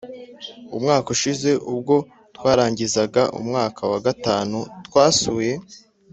Umwaka ushize ubwo twarangizaga umwaka wa gatanu, twasuye